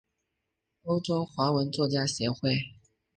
欧洲华文作家协会。